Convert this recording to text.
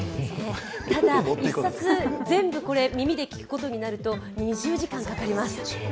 ただ、１冊全部、耳で聞くことになると２０時間かかります。